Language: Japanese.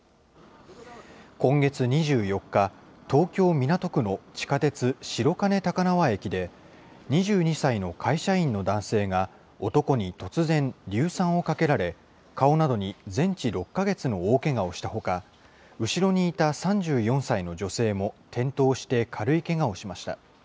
今月２４日、東京・港区の地下鉄白金高輪駅で、２２歳の会社員の男性が男に突然、硫酸をかけられ、顔などに全治６か月の大けがをしたほか、後ろにいた３４歳の女性も転倒して軽いけがをしました。